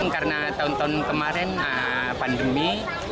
karena tahun tahun kemarin pandemi